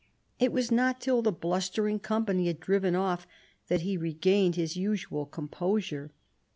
It was not till the blustering company had driven off that he regained his usual composure.